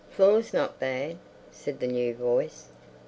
"Floor's not bad," said the new voice.